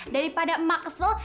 daripada mak kesel